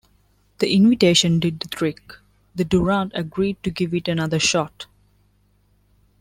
The invitation did the trick, and Du Randt agreed to give it another shot.